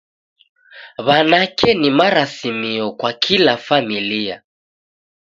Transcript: W'anake ni marasimio kwa kila familia